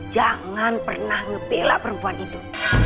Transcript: jangan pernah ngebela perempuan itu